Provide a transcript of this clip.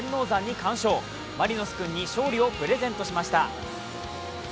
君に勝利をプレゼントしました。